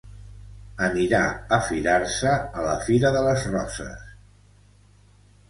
Anirà a firar-se a la fira de les roses.